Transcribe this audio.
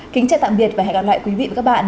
kính chào tạm biệt và hẹn gặp lại quý vị và các bạn